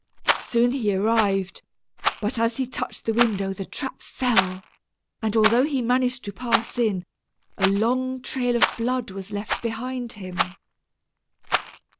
Soon he arrived; but as he touched the window the trap fell, and although he managed to pass in, a long trail of blood was left behind him.